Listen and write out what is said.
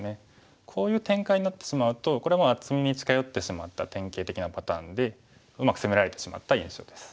こういう展開になってしまうとこれは厚みに近寄ってしまった典型的なパターンでうまく攻められてしまった印象です。